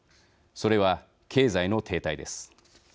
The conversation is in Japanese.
それは経済の停滞です。